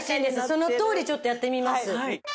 そのとおりちょっとやってみます。